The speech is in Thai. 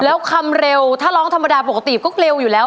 แล้วคำเร็วถ้าร้องธรรมดาปกติก็เร็วอยู่แล้ว